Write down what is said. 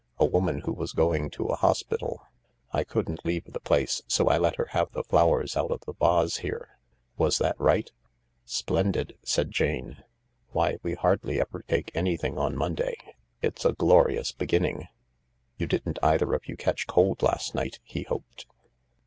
"A woman who was going to a hospital. I couldn't leave the place, so I let her have the flowers out of the vase here — was that right ?"" Splendid !" said Jane. " Why, we hardly ever take anything on Monday— it's a glorious beginning I "" You didn't either of you catch cold last night ?" he hoped.